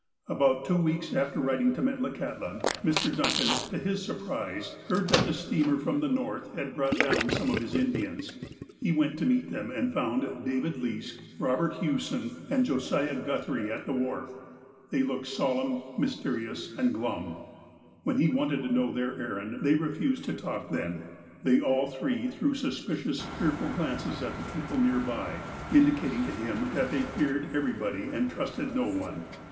About two weeks after writing to Metlakahtla, Mr. Duncan, to his surprise, heard that the steamer from the North had brought down some of his Indians. He went to meet them, and found David Leask, Eobert Hewson, and Josiah Guthrie at tlie wharf. They looked solemn, mysterious and glum. 'V^^lon he wanted to know their errand, they refused to talk then. They all three threw suspicious, fearful glances at the people near by, indicating to him that they feared every body, and trusted no one.